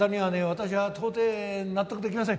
私は到底納得できません。